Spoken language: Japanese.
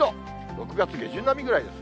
６月下旬並みぐらいです。